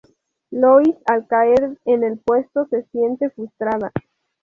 Lois al caer en el puesto se siente frustrada.